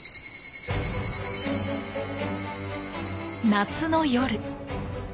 夏の夜。